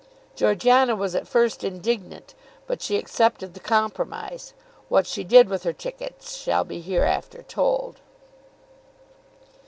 Georgiana was at first indignant, but she accepted the compromise. What she did with her tickets shall be hereafter told.